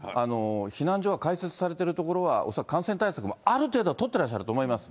避難所が開設されてる所は、恐らく感染対策もある程度取っていらっしゃると思います。